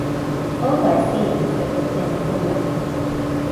"Oh, I see;" said the Tin Woodman.